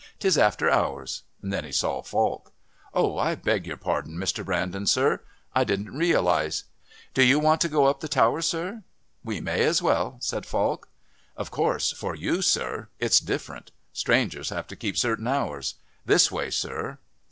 "'Tis after hours." Then he saw Falk. "Oh, I beg your pardon, Mr. Brandon, sir. I didn't realise. Do you want to go up the Tower, sir?" "We may as well," said Falk. "Of course for you, sir, it's different. Strangers have to keep certain hours. This way, sir."